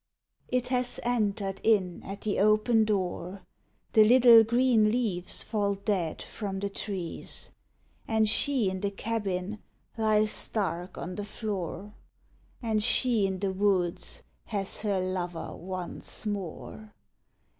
_" It has entered in at the open door The little green leaves fall dead from the trees And she in the cabin lies stark on the floor, And she in the woods has her lover once more